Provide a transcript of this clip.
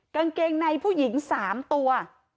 กางเกงในผู้หญิง๓ตัว